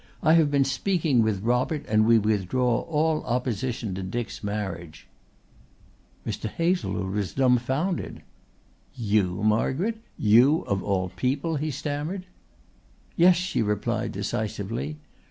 I have been speaking with Robert and we withdraw all opposition to Dick's marriage." Mr. Hazlewood was dumfoundered. "You, Margaret you of all people!" he stammered. "Yes," she replied decisively.